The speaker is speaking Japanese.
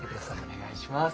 お願いします。